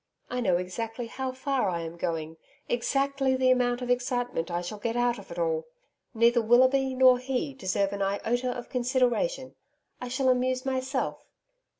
I know exactly how far I am going exactly the amount of excitement I shall get out of it all. Neither Willoughby nor he deserve an iota of consideration. I shall amuse myself.